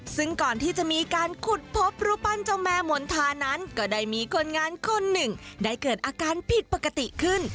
ซึ่งก่อนที่จะมีการขุดพบรูปปั้นเจ้าแม่มณฑานั้นก็ได้มีคนงานคนหนึ่งได้เกิดอาการผิดปกติขึ้น